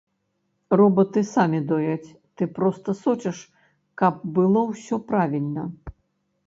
Робаты самі дояць, ты проста сочыш, каб было ўсё правільна.